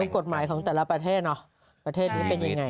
กฎหมายของแต่ละประเทศเนอะประเทศนี้เป็นยังไง